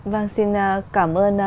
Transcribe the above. vâng xin cảm ơn